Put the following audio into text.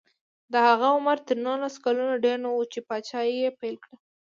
د هغه عمر تر نولس کلونو ډېر نه و چې پاچاهي یې پیل کړه.